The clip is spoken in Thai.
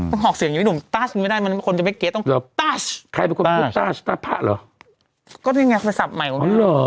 ถ้าหอกเสียงดิดดุมตาชไม่ได้มันคนจะไปเก๊ตออกตาทส์ดุบบบนีโณเป็นประศาบแอลอ๋อ